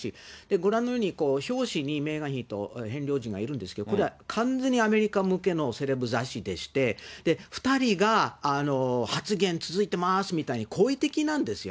ご覧のように、表紙にメーガン妃とヘンリー王子がいるんですけど、これは完全にアメリカ向けのセレブ雑誌でして、２人が発言続いてますみたいに、好意的なんですね。